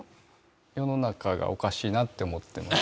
世の中がおかしいなって思ってます。